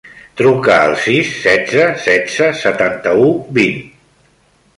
Truca al sis, setze, setze, setanta-u, vint.